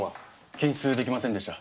検出出来ませんでした。